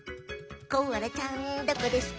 コアラちゃんどこですか？